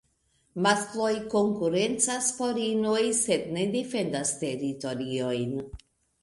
Maskloj konkurencas por inoj sed ne defendas teritoriojn.